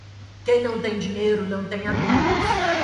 Quem não tem dinheiro não tem amigos.